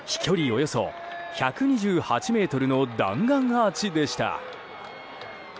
およそ１２８ｍの弾丸アーチでした。